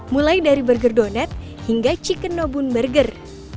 mulai dari burger donat hingga chicken nobun burger